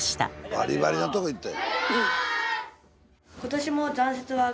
バリバリのとこ行った。